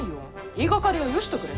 言いがかりはよしとくれ。